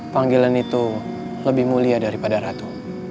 panggilan itu lebih mulia daripada ratu